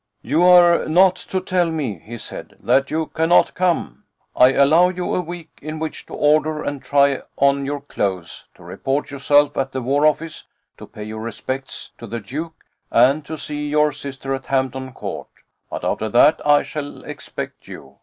"You are not to tell me," he said, "that you cannot come. I allow you a week in which to order and try on your clothes, to report yourself at the War Office, to pay your respects to the Duke, and to see your sister at Hampton Court; but after that I shall expect you.